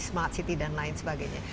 smart city dan lain sebagainya